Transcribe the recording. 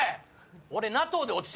俺「ＮＡＴＯ」で落ちてたわ！